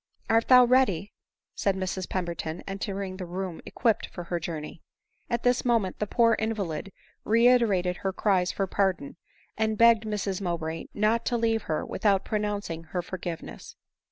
" Art thou ready ?" said Mrs Pemberton, entering the room equipped for her journey. At this moment the poor invalid reiterated her cries for pardon, and begged Mrs Mowbray not to leave her with out pronouncing her forgiveness.